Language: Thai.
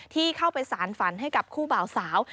ที่เข้าไปสารฝันให้กับคู่บ่าวสาว